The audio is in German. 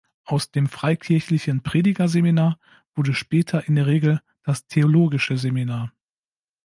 Aus dem freikirchlichen "Predigerseminar" wurde später in der Regel das "Theologische Seminar".